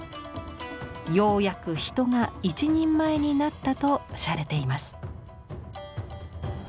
「ようやく人が一人前になった」としゃれています。